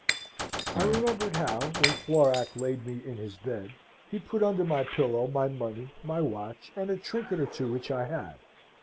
"I remembered how, when Florac laid me in his bed, he put under my pillow my money, my watch, and a trinket or two which I had.